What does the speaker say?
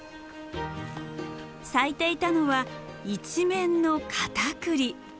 咲いていたのは一面のカタクリ。